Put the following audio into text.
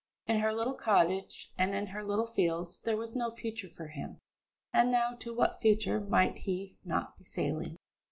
In her little cottage and in her little fields there was no future for him, and now to what future might he not be sailing!